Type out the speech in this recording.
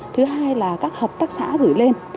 thứ hai là các hợp tác xã gửi lên